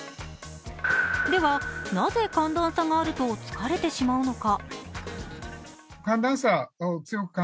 では、なぜ寒暖差があると疲れてしまうのか。